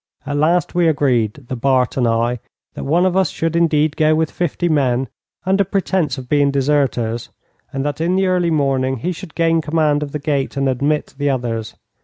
At last we agreed, the Bart and I, that one of us should indeed go with fifty men, under pretence of being deserters, and that in the early morning he should gain command of the gate and admit the others.